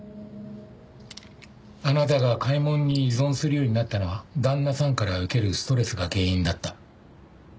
あなたが買い物に依存するようになったのは旦那さんから受けるストレスが原因だった。